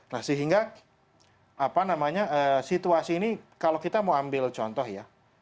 nah sehingga situasi ini kalau kita mau ambil contoh ya